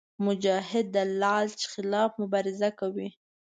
مجاهد د لالچ خلاف مبارزه کوي.